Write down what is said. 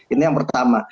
ini yang pertama